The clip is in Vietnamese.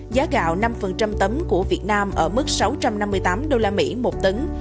giá gạo năm tấm của việt nam ở mức sáu trăm năm mươi tám đô la mỹ một tấn